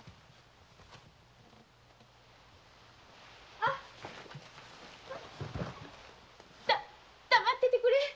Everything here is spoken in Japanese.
あッ黙っててくれ。